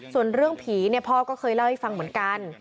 ส่วนเรื่องผีพ่อก็เคยเล่าให้ฟังเหมือนกัน